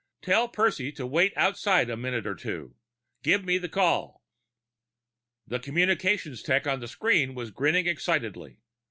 "Tell Percy to wait outside a minute or two. Give me the call." The communications tech on the screen was grinning excitedly.